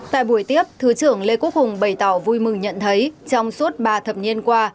tại buổi tiếp thứ trưởng lê quốc hùng bày tỏ vui mừng nhận thấy trong suốt ba thập niên qua